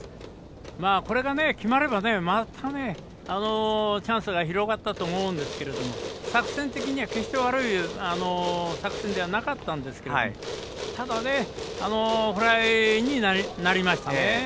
これが決まれば、またチャンスが広がったと思うんですけれど作戦的には決して悪い作戦ではなかったんですけれどただフライになりました。